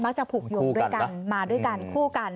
มากจะผูกโยงมาด้วยกันคู่กัน